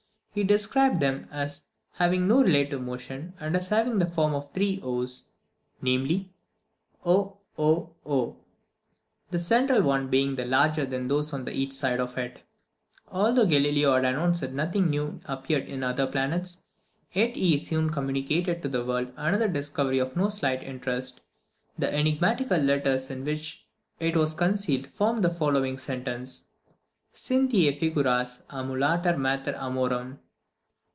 He described them as having no relative motion, and as having the form of three o's, namely, oOo, the central one being larger than those on each side of it. Although Galileo had announced that nothing new appeared in the other planets, yet he soon communicated to the world another discovery of no slight interest. The enigmatical letters in which it was concealed formed the following sentence: "Cynthiæ figuras æmulatur mater Amorum."